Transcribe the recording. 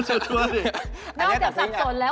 นอกจากสับสนแล้ว